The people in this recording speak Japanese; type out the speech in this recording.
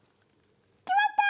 決まった！